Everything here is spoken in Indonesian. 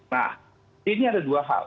nah ini ada dua hal